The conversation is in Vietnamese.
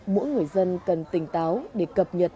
mỗi người dân cần tỉnh táo để cập nhật